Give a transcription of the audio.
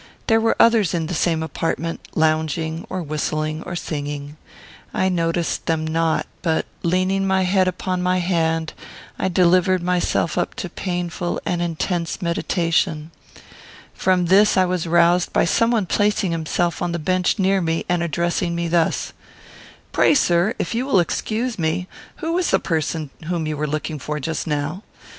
There were others in the same apartment, lounging, or whistling, or singing. I noticed them not, but, leaning my head upon my hand, I delivered myself up to painful and intense meditation. From this I was roused by some one placing himself on the bench near me and addressing me thus: "Pray, sir, if you will excuse me, who was the person whom you were looking for just now?